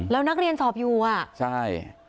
แล้วนักเรียนสอบอยู่อ่ะใช่